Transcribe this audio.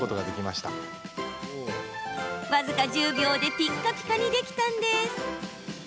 僅か１０秒でピッカピカにできたんです。